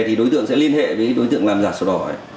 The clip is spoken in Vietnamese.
thì đối tượng sẽ liên hệ với đối tượng làm giả sổ đỏ